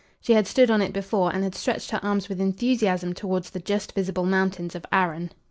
She had stood on it before, and had stretched her arms with enthusiasm towards the just visible mountains of Arran.